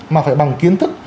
mà phải bằng kiến thức